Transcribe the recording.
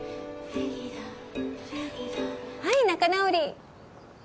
はい仲直り。